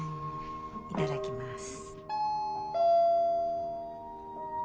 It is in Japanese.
いただきます。